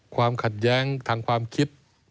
ความขัดแย้งทางความคิด